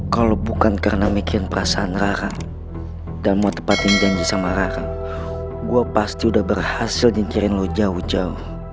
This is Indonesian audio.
kalau bukan karena mikir perasaan rara dan mau tepatin janji sama rara gue pasti udah berhasil nyingkirin lo jauh jauh